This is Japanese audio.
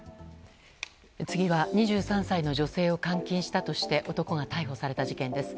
次は２３歳の女性を監禁したとして男が逮捕された事件です。